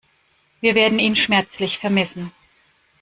Wir werden ihn schmerzlich vermissen.